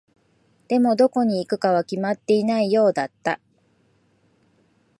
でも、どこに行くかは決まっていないようだった。